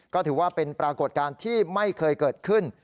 ก็ถือว่าเป็นปรากฏการณ์ที่ไม่เคยเกิดขึ้น